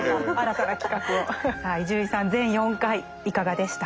さあ伊集院さん全４回いかがでしたか。